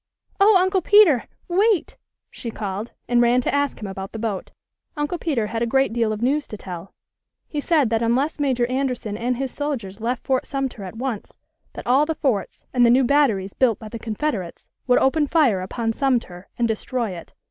"Oh, Uncle Peter! Wait!" she called and ran to ask him about the boat. Uncle Peter had a great deal of news to tell. He said that unless Major Anderson and his soldiers left Fort Sumter at once that all the forts, and the new batteries built by the Confederates, would open fire upon Sumter and destroy it.